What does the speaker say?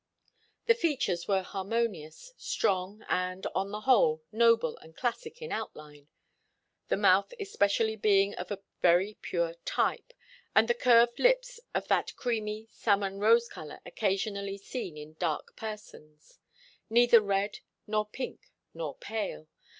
The features were harmonious, strong and, on the whole, noble and classic in outline, the mouth especially being of a very pure type, and the curved lips of that creamy, salmon rose colour occasionally seen in dark persons neither red, nor pink nor pale.